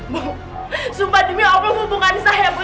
bu sumpah demi allah bu bukan saya bu